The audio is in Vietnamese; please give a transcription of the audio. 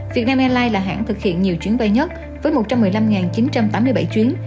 việt nam airlines là hãng thực hiện nhiều chuyến bay nhất với một trăm một mươi năm chín trăm tám mươi bảy chuyến